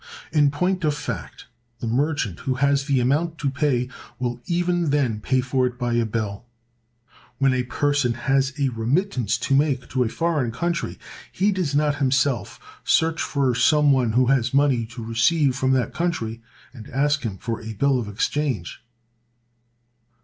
In point of fact, the merchant who has the amount to pay will even then pay for it by a bill. When a person has a remittance to make to a foreign country, he does not himself search for some one who has money to receive from that country, and ask him for a bill of exchange.